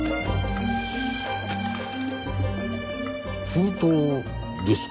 封筒ですか？